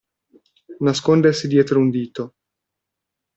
Nascondersi dietro di un dito.